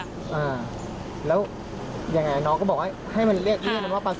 อ่าแล้วอย่างไรน้องก็บอกให้มันเรียกมันว่าปลาส้ม